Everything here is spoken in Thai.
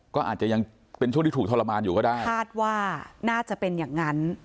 ก็อาจจะยังเป็นช่วงที่ถูกทรมานอยู่ก็ได้คาดว่าน่าจะเป็นอย่างนั้น